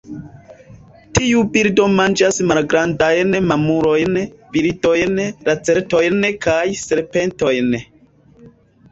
Tiu birdo manĝas malgrandajn mamulojn, birdojn, lacertojn kaj serpentojn.